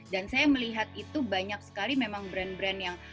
dan saya melihat itu banyak sekali memang brand brand yang